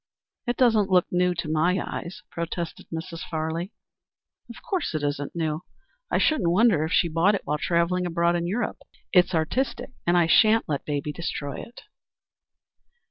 "It doesn't look new to my eyes," protested Mrs. Parley. "Of course it isn't new. I shouldn't wonder if she bought it while travelling abroad in Europe. It's artistic, and and I shan't let baby destroy it."